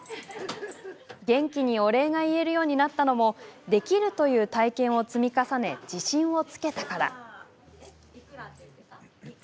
元気にお礼が言えるようになったのもできるという体験を積み重ね自信をつけたから。